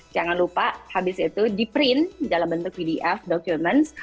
jangan lupa habis itu di print dalam bentuk vdf documents